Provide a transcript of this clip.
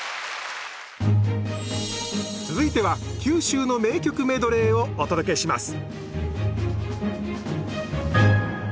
続いては九州の名曲メドレーをお届けします